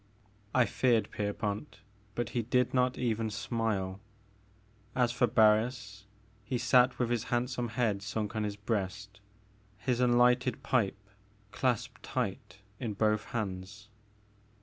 I feared Pierpont, but he did not even smile. As for Barris, he sat with his handsome head sunk on his breast, his unlighted pipe clasped tight in both hands.